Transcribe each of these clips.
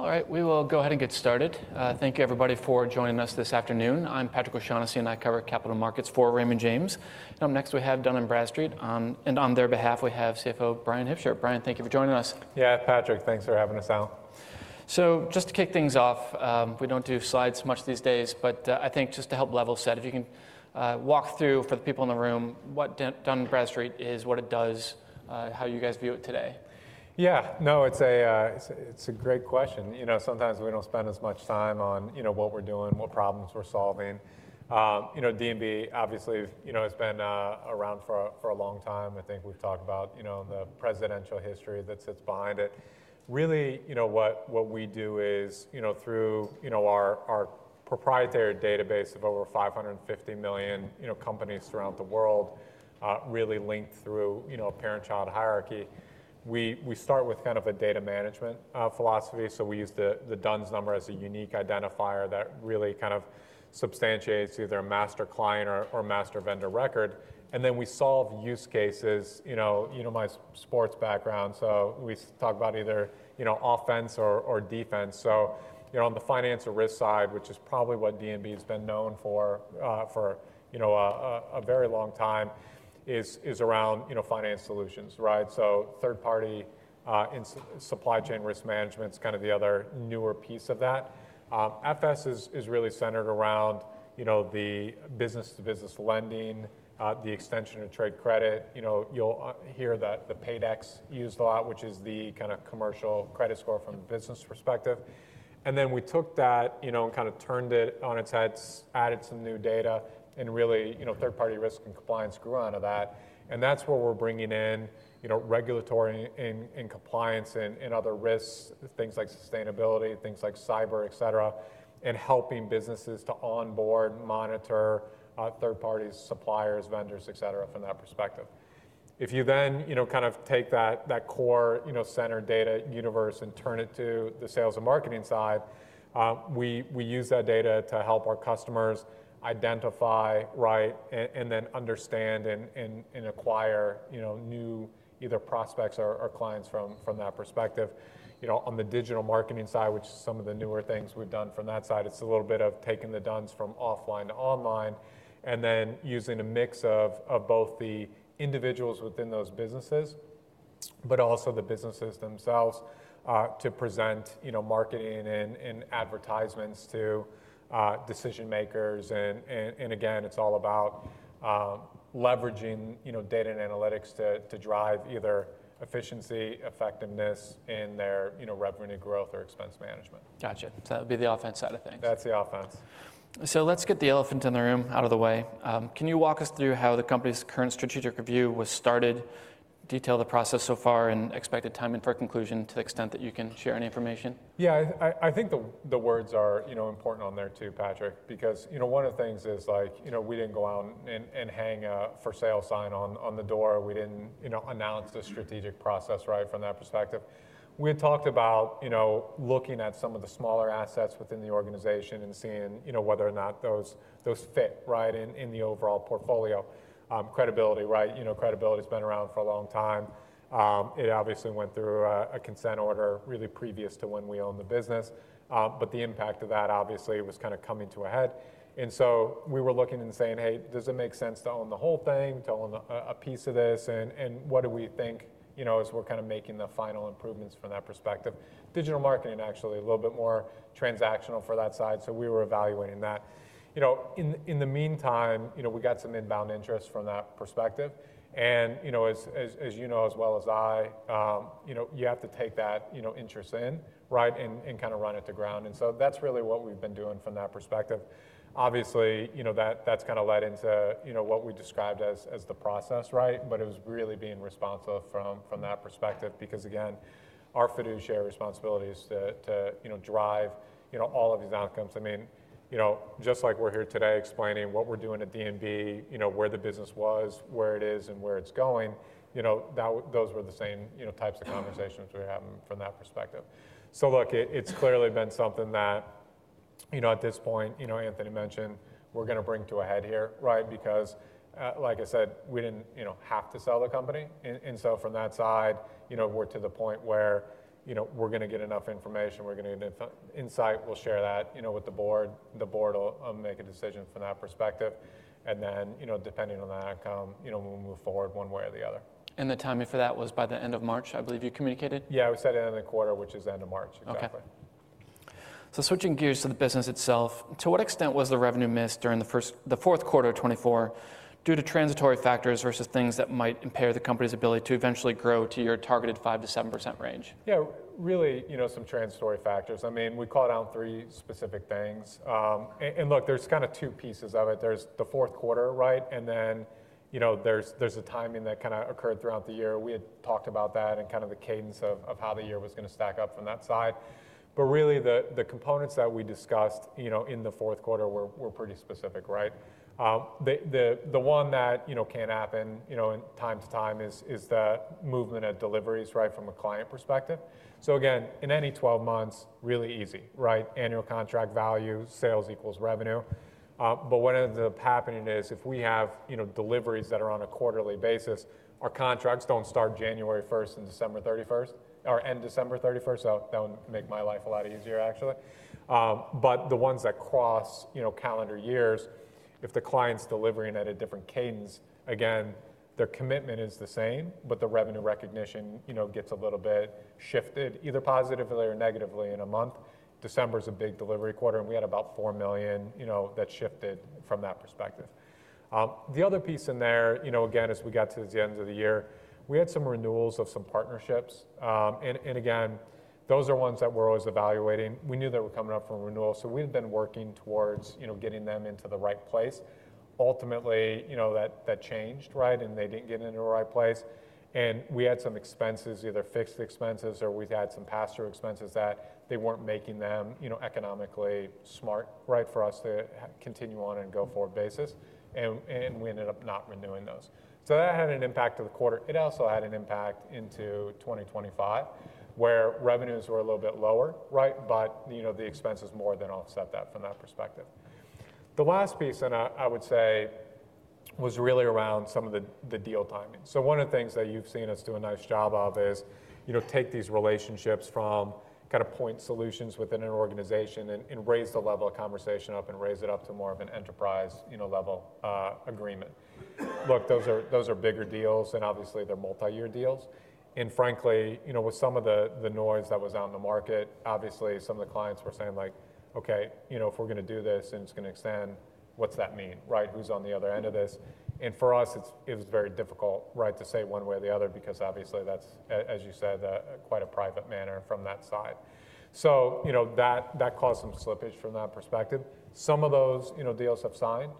All right, we will go ahead and get started. Thank you, everybody, for joining us this afternoon. I'm Patrick O'Shaughnessy, and I cover capital markets for Raymond James. Next, we have Dun & Bradstreet, and on their behalf, we have CFO Bryan Hipsher. Bryan, thank you for joining us. Yeah, Patrick, thanks for having us out. So just to kick things off, we don't do slides much these days, but I think just to help level set, if you can walk through for the people in the room what Dun & Bradstreet is, what it does, how you guys view it today. Yeah, no, it's a great question. Sometimes we don't spend as much time on what we're doing, what problems we're solving. D&B, obviously, has been around for a long time. I think we've talked about the presidential history that sits behind it. Really, what we do is, through our proprietary database of over 550 million companies throughout the world, really linked through a parent-child hierarchy, we start with kind of a data management philosophy. So we use the D-U-N-S number as a unique identifier that really kind of substantiates either a master client or master vendor record. And then we solve use cases. My sports background, so we talk about either offense or defense. So on the financial risk side, which is probably what D&B has been known for a very long time, is around finance solutions. Third-party supply chain risk management is kind of the other newer piece of that. FS is really centered around the business-to-business lending, the extension of trade credit. You'll hear that the PAYDEX used a lot, which is the kind of commercial credit score from a business perspective. Then we took that and kind of turned it on its head, added some new data, and really third-party risk and compliance grew out of that. That's where we're bringing in regulatory and compliance and other risks, things like sustainability, things like cyber, et cetera, and helping businesses to onboard, monitor third-party suppliers, vendors, et cetera, from that perspective. If you then kind of take that core center data universe and turn it to the sales and marketing side, we use that data to help our customers identify, write, and then understand and acquire new either prospects or clients from that perspective. On the digital marketing side, which is some of the newer things we've done from that side, it's a little bit of taking the D-U-N-S from offline to online and then using a mix of both the individuals within those businesses, but also the businesses themselves to present marketing and advertisements to decision makers. And again, it's all about leveraging data and analytics to drive either efficiency, effectiveness, and their revenue growth or expense management. Got you. So that would be the offense side of things. That's the offense. So let's get the elephant in the room out of the way. Can you walk us through how the company's current strategic review was started, detail the process so far, and expected time for conclusion to the extent that you can share any information? Yeah, I think the words are important on there too, Patrick, because one of the things is we didn't go out and hang a for sale sign on the door. We didn't announce the strategic process from that perspective. We had talked about looking at some of the smaller assets within the organization and seeing whether or not those fit in the overall portfolio. Credibility has been around for a long time. It obviously went through a Consent Order really previous to when we owned the business. But the impact of that, obviously, was kind of coming to a head. And so we were looking and saying, hey, does it make sense to own the whole thing, to own a piece of this, and what do we think as we're kind of making the final improvements from that perspective? Digital marketing, actually, a little bit more transactional for that side. So we were evaluating that. In the meantime, we got some inbound interest from that perspective. And as you know as well as I, you have to take that interest in and kind of run it to ground. And so that's really what we've been doing from that perspective. Obviously, that's kind of led into what we described as the process, but it was really being responsive from that perspective because, again, our fiduciary responsibility is to drive all of these outcomes. I mean, just like we're here today explaining what we're doing at D&B, where the business was, where it is, and where it's going, those were the same types of conversations we were having from that perspective. So look, it's clearly been something that at this point, Anthony mentioned, we're going to bring to a head here because, like I said, we didn't have to sell the company. And so from that side, we're to the point where we're going to get enough information. We're going to get insight. We'll share that with the board. The board will make a decision from that perspective. And then depending on that outcome, we'll move forward one way or the other. The timing for that was by the end of March, I believe you communicated? Yeah, we said end of the quarter, which is end of March, exactly. Switching gears to the business itself, to what extent was the revenue missed during the fourth quarter of 2024 due to transitory factors versus things that might impair the company's ability to eventually grow to your targeted 5%-7% range? Yeah, really some transitory factors. I mean, we called out three specific things. And look, there's kind of two pieces of it. There's the fourth quarter, and then there's the timing that kind of occurred throughout the year. We had talked about that and kind of the cadence of how the year was going to stack up from that side. But really, the components that we discussed in the fourth quarter were pretty specific. The one that can happen from time to time is the movement of deliveries from a client perspective. So again, in any 12 months, really easy. Annual contract value, sales equals revenue. But what ends up happening is if we have deliveries that are on a quarterly basis, our contracts don't start on January 1st or end on December 31st, so that would make my life a lot easier, actually. But the ones that cross calendar years, if the client's delivering at a different cadence, again, their commitment is the same, but the revenue recognition gets a little bit shifted, either positively or negatively in a month. December is a big delivery quarter, and we had about $4 million that shifted from that perspective. The other piece in there, again, as we got to the end of the year, we had some renewals of some partnerships. And again, those are ones that we're always evaluating. We knew they were coming up for renewal, so we had been working towards getting them into the right place. Ultimately, that changed, and they didn't get into the right place. And we had some expenses, either fixed expenses or we had some pass-through expenses that they weren't making them economically smart for us to continue on and go-forward basis. And we ended up not renewing those. So that had an impact to the quarter. It also had an impact into 2025, where revenues were a little bit lower, but the expenses more than offset that from that perspective. The last piece, and I would say, was really around some of the deal timing. So one of the things that you've seen us do a nice job of is take these relationships from kind of point solutions within an organization and raise the level of conversation up and raise it up to more of an enterprise-level agreement. Look, those are bigger deals, and obviously, they're multi-year deals. And frankly, with some of the noise that was out in the market, obviously, some of the clients were saying, like, "Okay, if we're going to do this and it's going to extend, what's that mean? Who's on the other end of this?" And for us, it was very difficult to say one way or the other because, obviously, that's, as you said, quite a private matter from that side. So that caused some slippage from that perspective. Some of those deals have signed.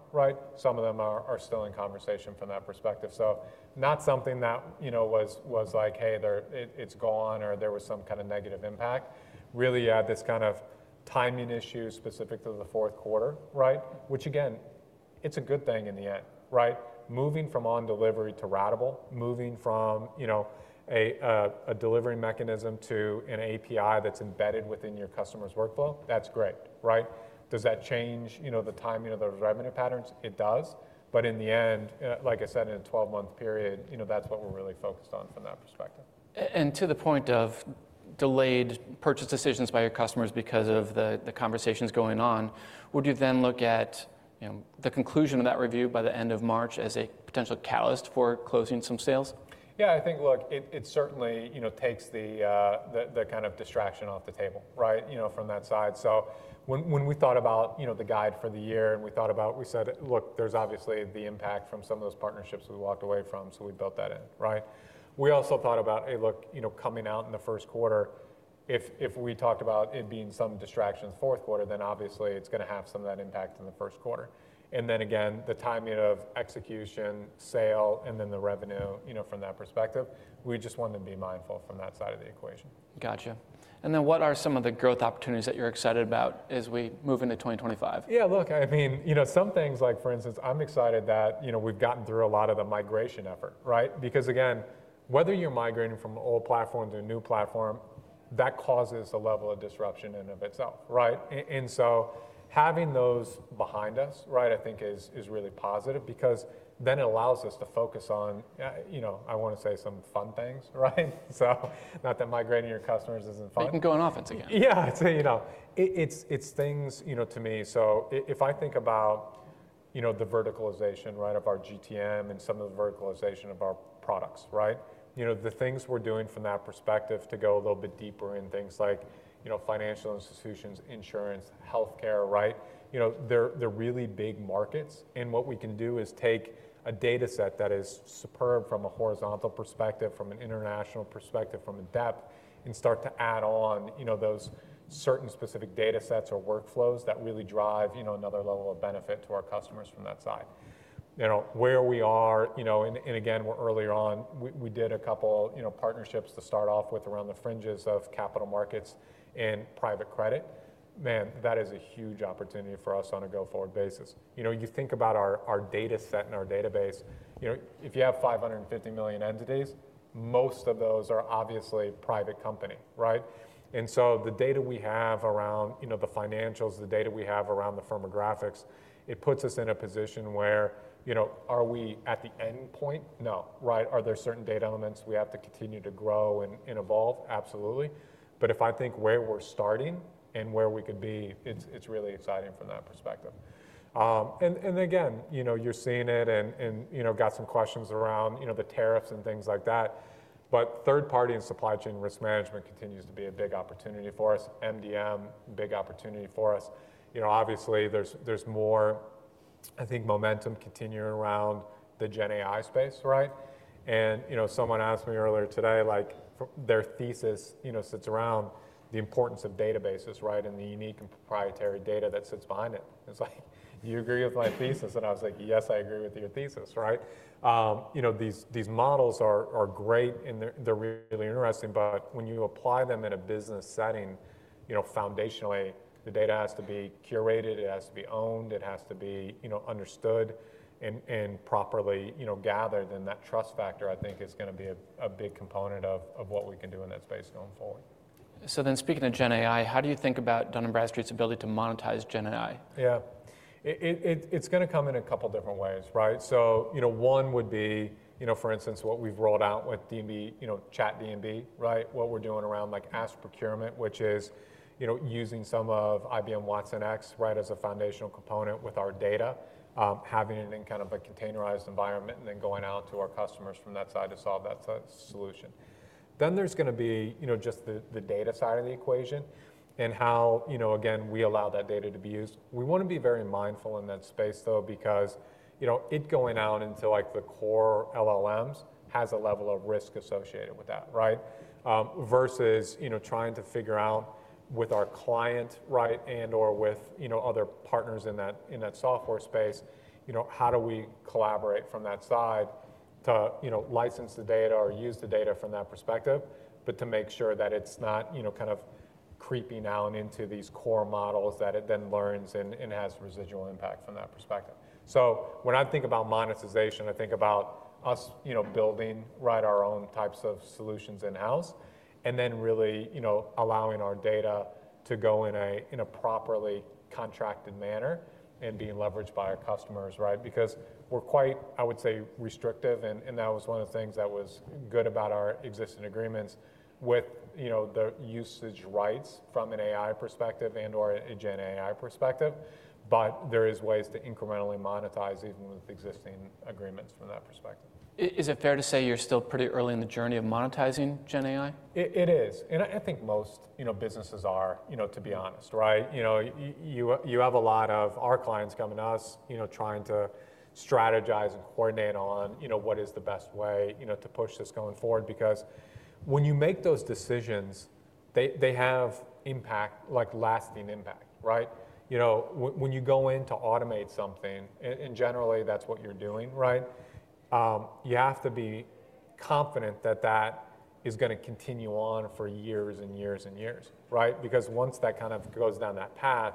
Some of them are still in conversation from that perspective. So not something that was like, "Hey, it's gone," or there was some kind of negative impact. Really, you had this kind of timing issue specific to the fourth quarter, which, again, it's a good thing in the end. Moving from on-delivery to ratable, moving from a delivery mechanism to an API that's embedded within your customer's workflow, that's great. Does that change the timing of those revenue patterns? It does. But in the end, like I said, in a 12-month period, that's what we're really focused on from that perspective. To the point of delayed purchase decisions by your customers because of the conversations going on, would you then look at the conclusion of that review by the end of March as a potential catalyst for closing some sales? Yeah, I think, look, it certainly takes the kind of distraction off the table from that side. So when we thought about the guide for the year and we thought about, we said, "Look, there's obviously the impact from some of those partnerships we walked away from," so we built that in. We also thought about, "Hey, look, coming out in the first quarter, if we talked about it being some distractions fourth quarter, then obviously, it's going to have some of that impact in the first quarter." And then again, the timing of execution, sale, and then the revenue from that perspective, we just wanted to be mindful from that side of the equation. Got you. And then what are some of the growth opportunities that you're excited about as we move into 2025? Yeah, look, I mean, some things, like for instance, I'm excited that we've gotten through a lot of the migration effort because, again, whether you're migrating from an old platform to a new platform, that causes a level of disruption in and of itself. And so having those behind us, I think, is really positive because then it allows us to focus on, I want to say, some fun things. So not that migrating your customers isn't fun. They've been going offense again. Yeah. It's things to me. So if I think about the verticalization of our GTM and some of the verticalization of our products, the things we're doing from that perspective to go a little bit deeper in things like financial institutions, insurance, healthcare, they're really big markets. And what we can do is take a data set that is superb from a horizontal perspective, from an international perspective, from a depth, and start to add on those certain specific data sets or workflows that really drive another level of benefit to our customers from that side. Where we are, and again, we're early on, we did a couple of partnerships to start off with around the fringes of capital markets and private credit. Man, that is a huge opportunity for us on a go-forward basis. You think about our data set and our database. If you have 550 million entities, most of those are obviously private company. And so the data we have around the financials, the data we have around the firmographics, it puts us in a position where, are we at the end point? No. Are there certain data elements we have to continue to grow and evolve? Absolutely. But if I think where we're starting and where we could be, it's really exciting from that perspective. And again, you're seeing it and got some questions around the tariffs and things like that. But third-party and supply chain risk management continues to be a big opportunity for us. MDM, big opportunity for us. Obviously, there's more, I think, momentum continuing around the GenAI space. And someone asked me earlier today, their thesis sits around the importance of databases and the unique and proprietary data that sits behind it. It's like, do you agree with my thesis? And I was like, yes, I agree with your thesis. These models are great and they're really interesting, but when you apply them in a business setting, foundationally, the data has to be curated, it has to be owned, it has to be understood and properly gathered, and that trust factor, I think, is going to be a big component of what we can do in that space going forward. So then speaking of GenAI, how do you think about Dun & Bradstreet's ability to monetize GenAI? Yeah. It's going to come in a couple of different ways. So one would be, for instance, what we've rolled out with ChatD&B, what we're doing around Ask Procurement, which is using some of IBM watsonx as a foundational component with our data, having it in kind of a containerized environment, and then going out to our customers from that side to solve that solution. Then there's going to be just the data side of the equation and how, again, we allow that data to be used. We want to be very mindful in that space, though, because it going out into the core LLMs has a level of risk associated with that versus trying to figure out with our client and/or with other partners in that software space, how do we collaborate from that side to license the data or use the data from that perspective, but to make sure that it's not kind of creeping out into these core models that it then learns and has residual impact from that perspective. So when I think about monetization, I think about us building our own types of solutions in-house and then really allowing our data to go in a properly contracted manner and being leveraged by our customers because we're quite, I would say, restrictive. That was one of the things that was good about our existing agreements with the usage rights from an AI perspective and/or a GenAI perspective. There are ways to incrementally monetize even with existing agreements from that perspective. Is it fair to say you're still pretty early in the journey of monetizing GenAI? It is. And I think most businesses are, to be honest. You have a lot of our clients coming to us trying to strategize and coordinate on what is the best way to push this going forward because when you make those decisions, they have lasting impact. When you go in to automate something, and generally, that's what you're doing, you have to be confident that that is going to continue on for years and years. Years because once that kind of goes down that path,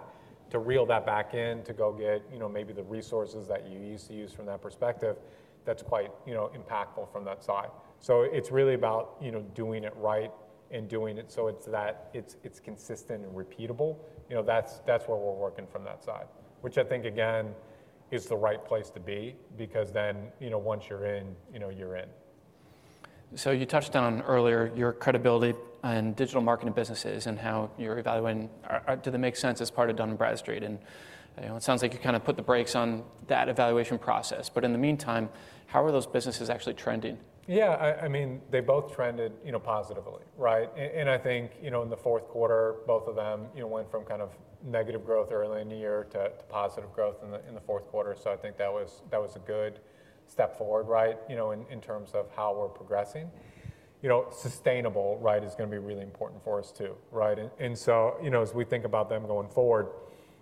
to reel that back in, to go get maybe the resources that you used to use from that perspective, that's quite impactful from that side. So it's really about doing it right and doing it so it's consistent and repeatable. That's what we're working from that side, which I think, again, is the right place to be because then once you're in, you're in. So you touched on earlier your credibility and digital marketing businesses and how you're evaluating. Do they make sense as part of Dun & Bradstreet? And it sounds like you kind of put the brakes on that evaluation process. But in the meantime, how are those businesses actually trending? Yeah. I mean, they both trended positively. And I think in the fourth quarter, both of them went from kind of negative growth early in the year to positive growth in the fourth quarter. So I think that was a good step forward in terms of how we're progressing. Sustainable is going to be really important for us too. And so as we think about them going forward,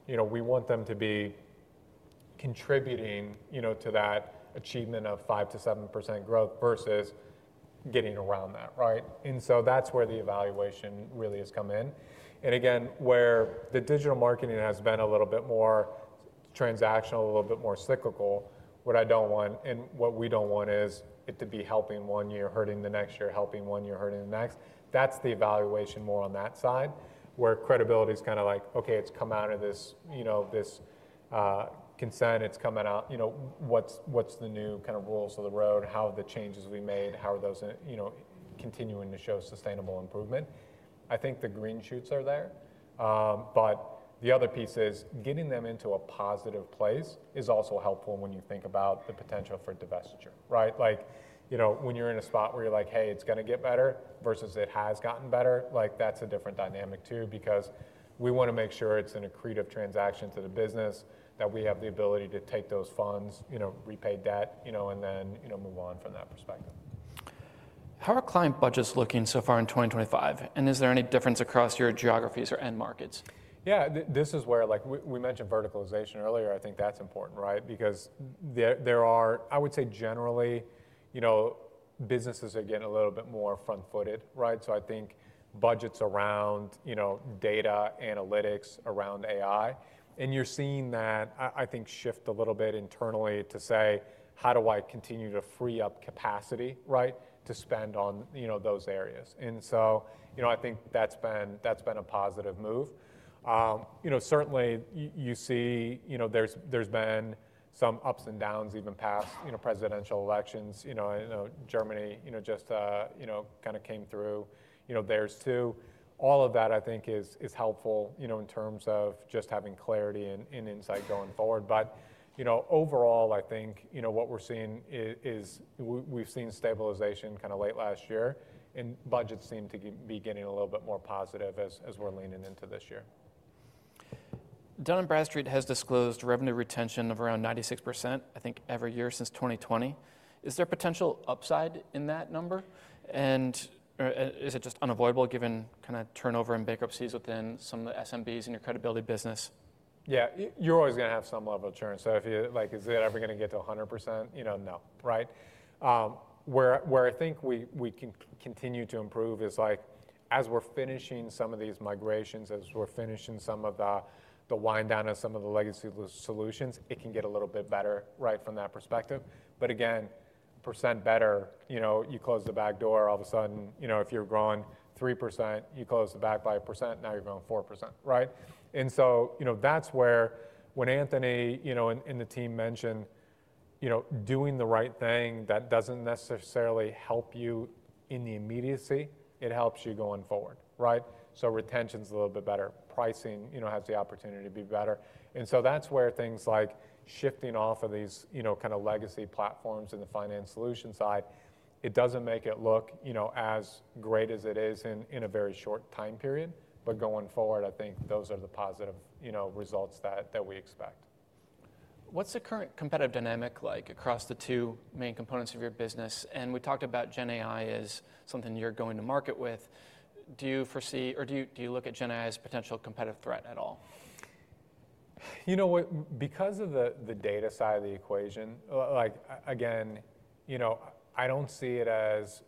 we want them to be contributing to that achievement of 5%-7% growth versus getting around that. And so that's where the evaluation really has come in. And again, where the digital marketing has been a little bit more transactional, a little bit more cyclical, what I don't want and what we don't want is it to be helping one year, hurting the next year, helping one year, hurting the next. That's the evaluation more on that side where credibility is kind of like, "Okay, it's come out of this consent. It's coming out. What's the new kind of rules of the road? How have the changes we made? How are those continuing to show sustainable improvement?" I think the green shoots are there. But the other piece is getting them into a positive place is also helpful when you think about the potential for divestiture. When you're in a spot where you're like, "Hey, it's going to get better versus it has gotten better," that's a different dynamic too because we want to make sure it's an accretive transaction to the business that we have the ability to take those funds, repay debt, and then move on from that perspective. How are client budgets looking so far in 2025? And is there any difference across your geographies or end markets? Yeah. This is where we mentioned verticalization earlier. I think that's important because there are, I would say, generally, businesses are getting a little bit more front-footed. So I think budgets around data, analytics around AI, and you're seeing that, I think, shift a little bit internally to say, "How do I continue to free up capacity to spend on those areas?" And so I think that's been a positive move. Certainly, you see there's been some ups and downs even past presidential elections. Germany just kind of came through. There's too. All of that, I think, is helpful in terms of just having clarity and insight going forward. But overall, I think what we're seeing is we've seen stabilization kind of late last year, and budgets seem to be getting a little bit more positive as we're leaning into this year. Dun & Bradstreet has disclosed revenue retention of around 96%, I think, every year since 2020. Is there potential upside in that number? And is it just unavoidable given kind of turnover and bankruptcies within some of the SMBs in your credibility business? Yeah. You're always going to have some level of churn. So is it ever going to get to 100%? No. Where I think we can continue to improve is as we're finishing some of these migrations, as we're finishing some of the wind down of some of the legacy solutions, it can get a little bit better from that perspective. But again, 1% better, you close the back door. All of a sudden, if you're growing 3%, you close the back by 1%, now you're growing 4%. And so that's where when Anthony and the team mentioned doing the right thing that doesn't necessarily help you in the immediacy, it helps you going forward. So retention's a little bit better. Pricing has the opportunity to be better. And so that's where things like shifting off of these kind of legacy platforms in the finance solution side, it doesn't make it look as great as it is in a very short time period. But going forward, I think those are the positive results that we expect. What's the current competitive dynamic like across the two main components of your business? And we talked about GenAI as something you're going to market with. Do you foresee or do you look at GenAI as a potential competitive threat at all? You know what? Because of the data side of the equation, again, I don't see it as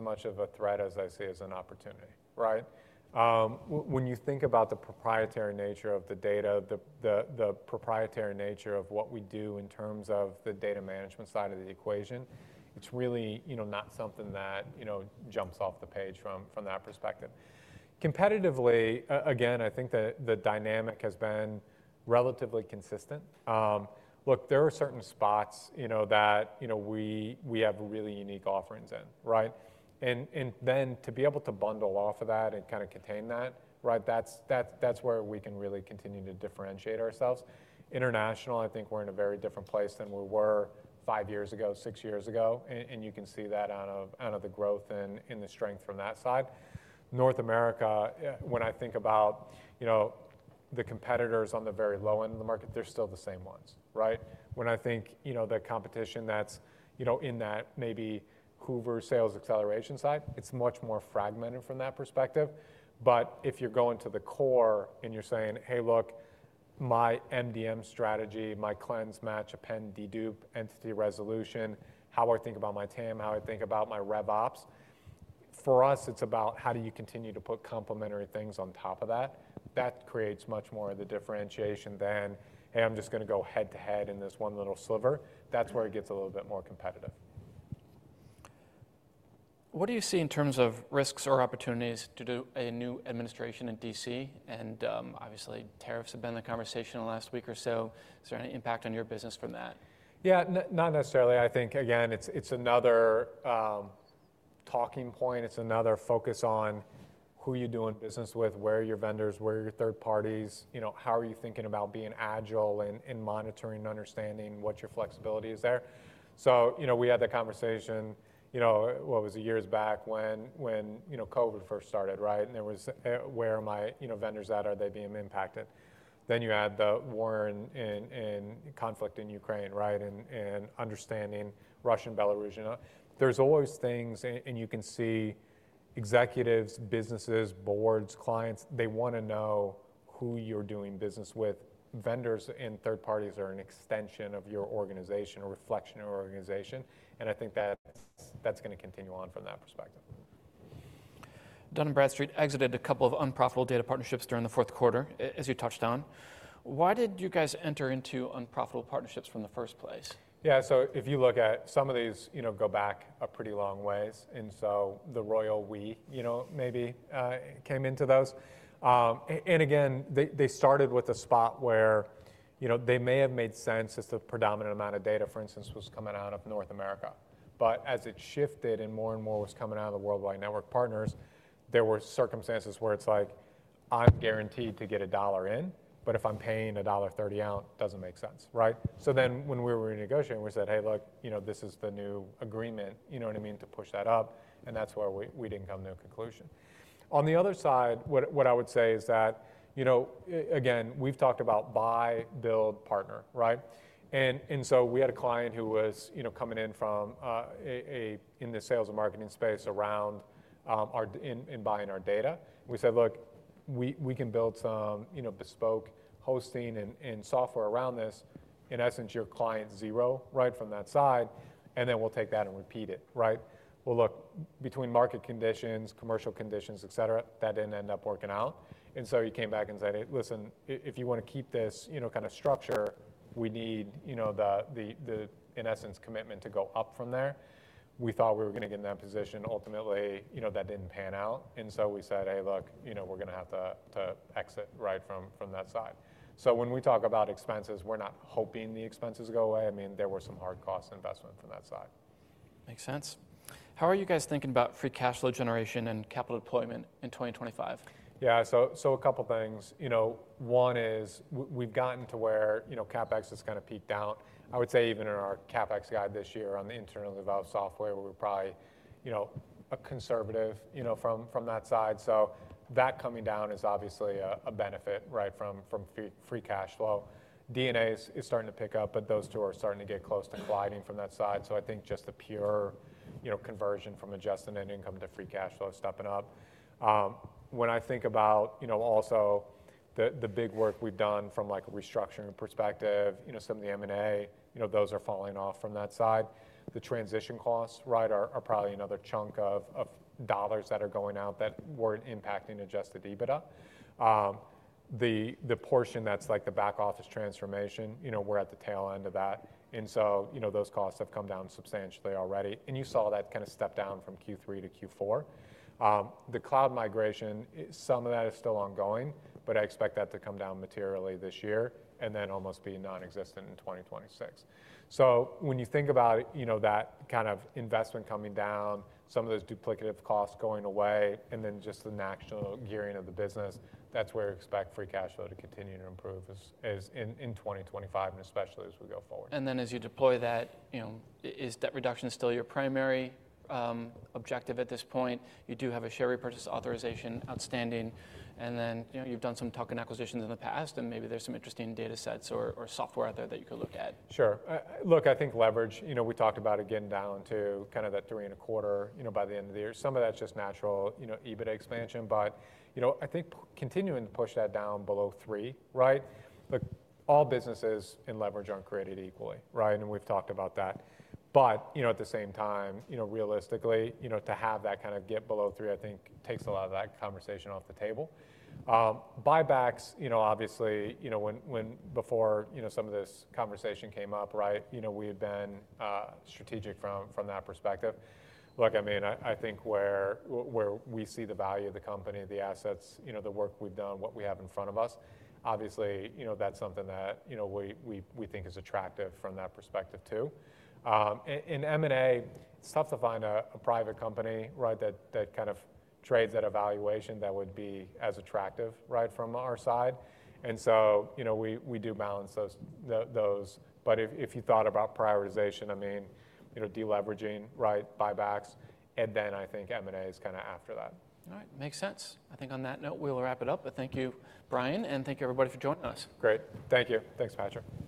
much of a threat as I see it as an opportunity. When you think about the proprietary nature of the data, the proprietary nature of what we do in terms of the data management side of the equation, it's really not something that jumps off the page from that perspective. Competitively, again, I think the dynamic has been relatively consistent. Look, there are certain spots that we have really unique offerings in. And then to be able to bundle off of that and kind of contain that, that's where we can really continue to differentiate ourselves. International, I think we're in a very different place than we were five years ago, six years ago, and you can see that out of the growth and the strength from that side. North America, when I think about the competitors on the very low end of the market, they're still the same ones. When I think the competition that's in that maybe Hoover's sales acceleration side, it's much more fragmented from that perspective. But if you're going to the core and you're saying, "Hey, look, my MDM strategy, my cleanse match, append dedupe entity resolution, how I think about my TAM, how I think about my RevOps," for us, it's about how do you continue to put complementary things on top of that. That creates much more of the differentiation than, "Hey, I'm just going to go head to head in this one little sliver." That's where it gets a little bit more competitive. What do you see in terms of risks or opportunities due to a new administration in DC? And obviously, tariffs have been the conversation in the last week or so. Is there any impact on your business from that? Yeah. Not necessarily. I think, again, it's another talking point. It's another focus on who you're doing business with, where are your vendors, where are your third parties, how are you thinking about being agile and monitoring and understanding what your flexibility is there. So we had the conversation, what was it, years back when COVID first started, and there was, "Where are my vendors at? Are they being impacted?" Then you add the war and conflict in Ukraine and understanding Russian, Belarusian. There's always things, and you can see executives, businesses, boards, clients, they want to know who you're doing business with. Vendors and third parties are an extension of your organization, a reflection of your organization. And I think that's going to continue on from that perspective. Dun & Bradstreet exited a couple of unprofitable data partnerships during the fourth quarter, as you touched on. Why did you guys enter into unprofitable partnerships in the first place? Yeah. So if you look at some of these, go back a pretty long ways. And so the royal we maybe came into those. And again, they started with a spot where they may have made sense as the predominant amount of data, for instance, was coming out of North America. But as it shifted and more and more was coming out of the worldwide network partners, there were circumstances where it's like, "I'm guaranteed to get a $1 in, but if I'm paying a $1.30 out, it doesn't make sense." So then when we were renegotiating, we said, "Hey, look, this is the new agreement, you know what I mean, to push that up." And that's where we didn't come to a conclusion. On the other side, what I would say is that, again, we've talked about buy, build, partner. And so we had a client who was coming in from the sales and marketing space around and buying our data. We said, "Look, we can build some bespoke hosting and software around this. In essence, you're client zero from that side, and then we'll take that and repeat it." Well, look, between market conditions, commercial conditions, etc., that didn't end up working out. And so he came back and said, "Hey, listen, if you want to keep this kind of structure, we need the, in essence, commitment to go up from there." We thought we were going to get in that position. Ultimately, that didn't pan out. And so we said, "Hey, look, we're going to have to exit from that side." So when we talk about expenses, we're not hoping the expenses go away. I mean, there were some hard costs investment from that side. Makes sense. How are you guys thinking about free cash flow generation and capital deployment in 2025? Yeah. So a couple of things. One is we've gotten to where CapEx has kind of peaked out. I would say even in our CapEx guide this year on the internally developed software, we're probably conservative from that side. So that coming down is obviously a benefit from free cash flow. D&A is starting to pick up, but those two are starting to get close to colliding from that side. So I think just the pure conversion from adjusted net income to free cash flow is stepping up. When I think about also the big work we've done from a restructuring perspective, some of the M&A, those are falling off from that side. The transition costs are probably another chunk of dollars that are going out that weren't impacting adjusted EBITDA. The portion that's like the back office transformation, we're at the tail end of that. And so those costs have come down substantially already. And you saw that kind of step down from Q3 to Q4. The cloud migration, some of that is still ongoing, but I expect that to come down materially this year and then almost be nonexistent in 2026. So when you think about that kind of investment coming down, some of those duplicative costs going away, and then just the operational gearing of the business, that's where we expect free cash flow to continue to improve in 2025 and especially as we go forward. And then as you deploy that, is that reduction still your primary objective at this point? You do have a share repurchase authorization outstanding. And then you've done some tuck-in acquisitions in the past, and maybe there's some interesting data sets or software out there that you could look at. Sure. Look, I think leverage, we talked about it again down to kind of that 3.25 by the end of the year. Some of that's just natural EBITDA expansion. But I think continuing to push that down below three, look, all businesses in leverage aren't created equally. And we've talked about that. But at the same time, realistically, to have that kind of get below three, I think takes a lot of that conversation off the table. Buybacks, obviously, before some of this conversation came up, we had been strategic from that perspective. Look, I mean, I think where we see the value of the company, the assets, the work we've done, what we have in front of us, obviously, that's something that we think is attractive from that perspective too. In M&A, it's tough to find a private company that kind of trades at a valuation that would be as attractive from our side, and so we do balance those, but if you thought about prioritization, I mean, deleveraging, buybacks, and then I think M&A is kind of after that. All right. Makes sense. I think on that note, we'll wrap it up. But thank you, Bryan, and thank you, everybody, for joining us. Great. Thank you. Thanks, Patrick.